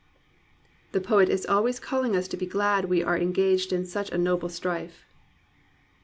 The poet is always calling us to be glad we are en gaged in such a noble strife.